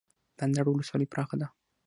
د اندړ ولسوالۍ پراخه ده